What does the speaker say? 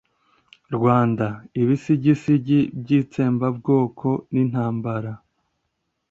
rwanda: ibisigisigi by'itsembabwoko n'intambara